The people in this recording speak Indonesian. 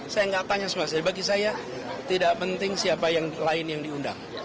saya nggak tanya sama jadi bagi saya tidak penting siapa yang lain yang diundang